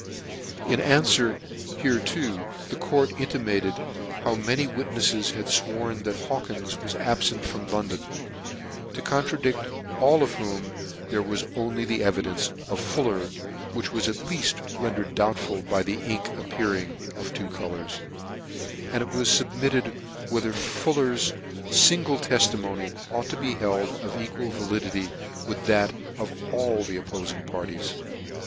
In anfwer hereto the court intimated how many witnefTes had fworn that Hawkins vvas abfent from London ; to contradict all whom there was only the evidence of Fuller, which was at leaft render ed doubtful by the ink appearing of two colours : and it was fubmitted whether Fuller's fingle tefli mony ought to be held of equal validity with that of all the oppofing parties.